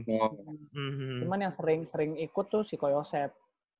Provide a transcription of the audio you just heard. cuman yang sering ikut tuh si ko yosef